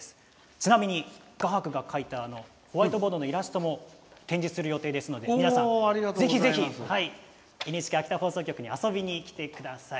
ちなみに、画伯が描いたホワイトボードのイラストも展示する予定ですので皆さんぜひぜひＮＨＫ秋田放送局に遊びに来てください。